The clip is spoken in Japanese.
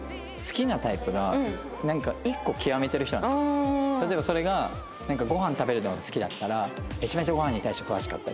僕例えばそれがご飯食べるのが好きだったらめちゃめちゃご飯に対して詳しかったり。